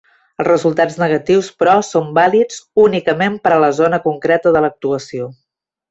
Els resultats negatius, però, són vàlids únicament per a la zona concreta de l'actuació.